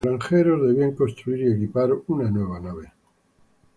Los granjeros debían construir y equipar una nueva nave.